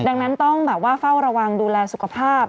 ดังนั้นต้องแบบว่าเฝ้าระวังดูแลสุขภาพ